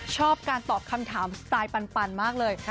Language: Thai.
ชอบการตอบคำถามสไตล์ปันมากเลย